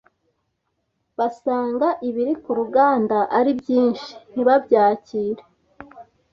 basanga ibiri ku ruganda ari byinshi ntibabyakire